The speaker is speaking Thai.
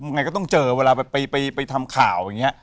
ไงก็ต้องเจอเวลาไปทำข่าวอย่างนี้